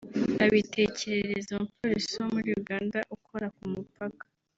abitekerereza umupolisi wo muri Uganda ukora ku mupaka